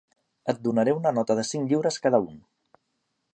Et donaré una nota de cinc lliures cada un.